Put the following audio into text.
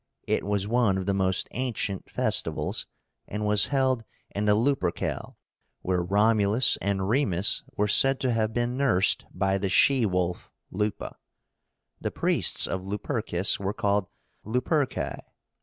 It was one of the most ancient festivals, and was held in the Lupercal, where Romulus and Remus were said to have been nursed by the she wolf (lupa). The priests of Lupercus were called LUPERCI.